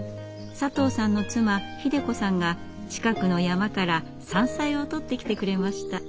佐藤さんの妻秀子さんが近くの山から山菜を採ってきてくれました。